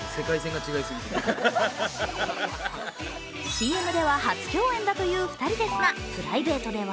ＣＭでは初競演だという２人ですがプライベートでは